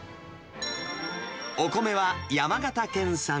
お米は山形県産。